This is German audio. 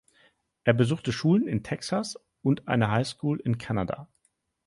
Er besuchte Schulen in Texas und eine High School in Kanada.